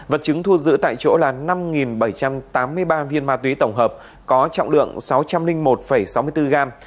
vật chứng thu giữ tại chỗ là năm bảy trăm tám mươi ba viên ma túy tổng hợp có trọng lượng sáu trăm linh một sáu mươi bốn g